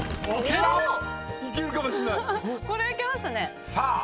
これいけますね。